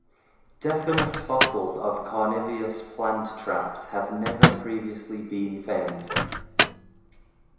Definite fossils of carnivorous plant traps have never previously been found.